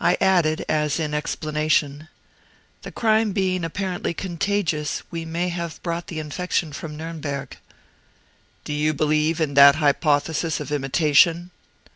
I added, as in explanation, "The crime being apparently contagious, we may have brought the infection from Nuremberg." "Do you believe in that hypothesis of imitation?"